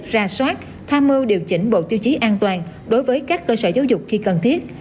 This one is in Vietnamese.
ra soát tham mưu điều chỉnh bộ tiêu chí an toàn đối với các cơ sở giáo dục khi cần thiết